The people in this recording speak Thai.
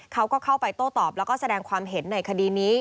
เขาก็เข้าไปโต้ตอบแล้วก็แสดงความเห็นในคดีนี้